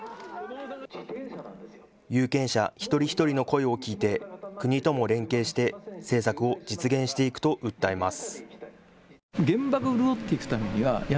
有権者一人一人の声を聞いて国とも連携して政策を実現していくと訴えます。